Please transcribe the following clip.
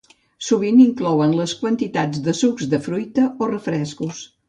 Sovint inclouen les quantitats de sucs de fruita o refrescos.